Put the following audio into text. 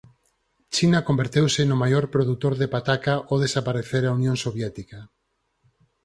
China converteuse no maior produtor de pataca ao desaparecer a Unión Soviética.